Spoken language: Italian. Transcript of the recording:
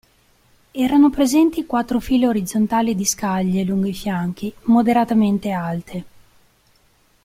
Erano presenti quattro file orizzontali di scaglie lungo i fianchi moderatamente alte.